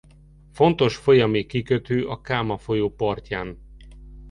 Fontos folyami kikötő a Káma folyó partján.